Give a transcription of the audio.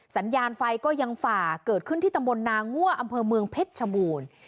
สัญญาณไฟก็ยังฝ่าเกิดขึ้นที่ตำบลนางั่วอำเภอเมืองเพชรชบูรณ์